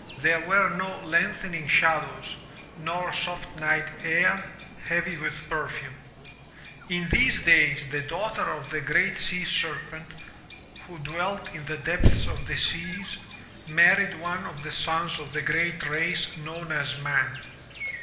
There were no lengthening shadows, nor soft night air, heavy with perfume. '^n these days the daughter of the GREAT SEA SERPENT, who dwelt in the depths of the seas, married one of the sons of the great race known as MAN.